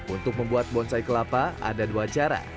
untuk membuat bonsai kelapa ada dua cara